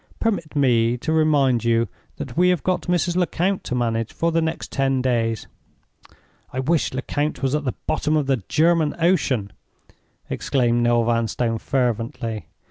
Permit me to remind you that we have got Mrs. Lecount to manage for the next ten days." "I wish Lecount was at the bottom of the German Ocean!" exclaimed Noel Vanstone, fervently.